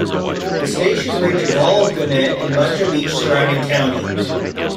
The station reaches all of Gwinnett and much of each surrounding county.